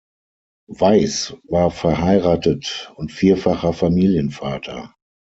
Weiss war verheiratet und vierfacher Familienvater.